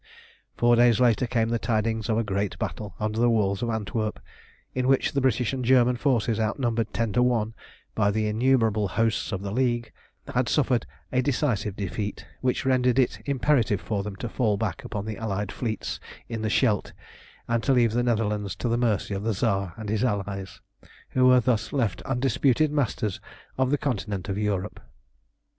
Four days later came the tidings of a great battle under the walls of Antwerp, in which the British and German forces, outnumbered ten to one by the innumerable hosts of the League, had suffered a decisive defeat, which rendered it imperative for them to fall back upon the Allied fleets in the Scheldt, and to leave the Netherlands to the mercy of the Tsar and his allies, who were thus left undisputed masters of the continent of Europe.